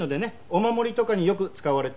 お守りとかによく使われてます。